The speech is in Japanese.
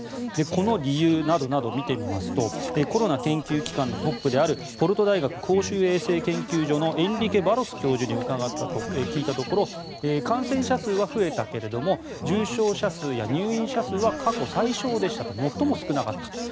この理由などなどを見てみますとコロナ研究機関のトップであるポルト大学公衆衛生研究所のエンリケ・バロス教授に聞いたところ感染者数は増えたけれども重症者数や入院者数は過去最少でしたと最も少なかったと。